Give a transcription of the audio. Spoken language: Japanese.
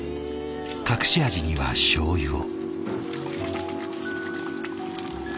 隠し味にはしょうゆを。